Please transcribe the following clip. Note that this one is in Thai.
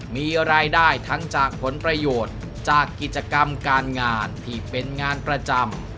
มีรายได้ทั้งจากผลประโยชน์จากกิจกรรมการงานที่เป็นงานประจำ